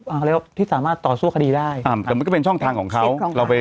อะไรครับที่สามารถต่อสู้คดีได้อ่าแต่มันก็เป็นช่องทางของเขาเราไป